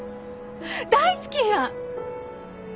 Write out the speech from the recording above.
大好きや！